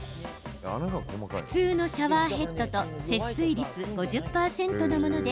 普通のシャワーヘッドと節水率５０％のもので